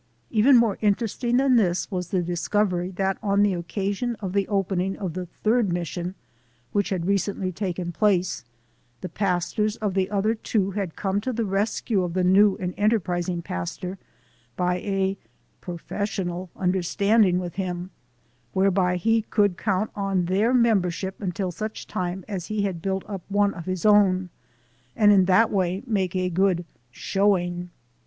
Even more interesting than this was the discovery that on the occasion of the opening of the third mission, which had recently taken place, the pastors of the other two had come to the rescue of the new and enter prising pastor by a "professional" understanding with him, whereby he could count on their member ship until such time as he had built up one of his own, and in that way make a good "showing."